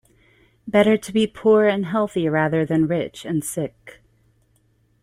Better to be poor and healthy rather than rich and sick.